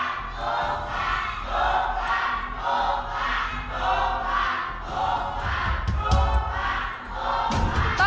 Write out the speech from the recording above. ถูกกว่า